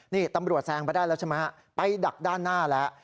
นี่ตำรวจแซงไปได้แล้วใช่ไหมฮะไปดักด้านหน้าแล้ว